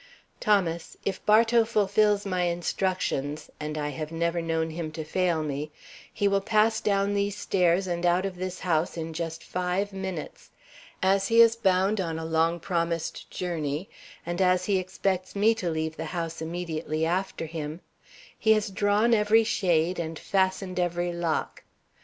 "Thomas, if Bartow fulfils my instructions and I have never know him to fail me he will pass down these stairs and out of this house in just five minutes. As he is bound on a long promised journey, and as he expects me to leave the house immediately after him, he has drawn every shade and fastened every lock.